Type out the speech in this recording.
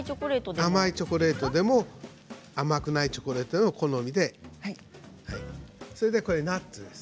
甘いチョコレートでも甘くないチョコレートでもお好みで結構です。